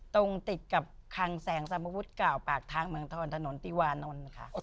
ตรงติดกับคังแสงสมวุฒิเก่าปากทางเมืองทอนถนนติวานนท์ค่ะ